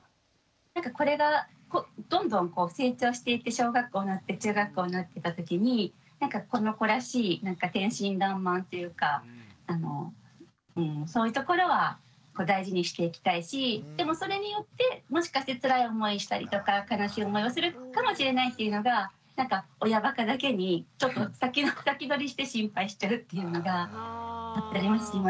なんかこれがどんどん成長していって小学校になって中学校になっていったときになんかこの子らしい天真爛漫っていうかそういうところは大事にしていきたいしでもそれによってもしかしてつらい思いしたりとか悲しい思いをするかもしれないっていうのがなんか親バカだけにちょっと先取りして心配しちゃうっていうのがあったりもします。